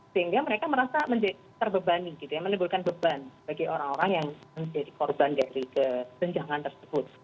sehingga mereka merasa terbebani gitu ya menimbulkan beban bagi orang orang yang menjadi korban dari kesenjangan tersebut